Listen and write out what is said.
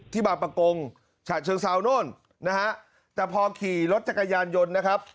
ที่บาปกงชาติเชิงซาวโน่นนะฮะแต่พอขี่รถจักรยานยนต์นะครับ